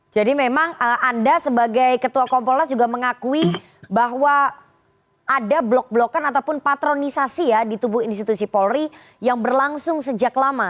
jadi memang anda sebagai ketua kompolas juga mengakui bahwa ada blok blokan ataupun patronisasi ya di tubuh institusi polri yang berlangsung sejak lama